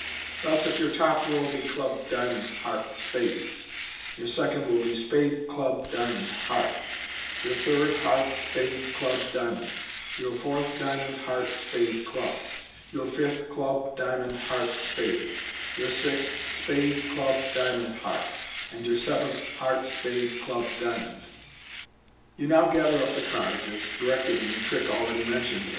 Thus, if your top row be club diamond, heart, spade, your second will be spade, club, diamond, heart j your third, heart, spade, club, diamond j your fourth, diamond, heart, spade, club j your fifth, club, diamond, heart, spade j your sixth, spade, club, diamond, heart ; and your seventh, heart, spade, club, diamond. You now gather up the cards as directed in the trick already mentioned, i.e.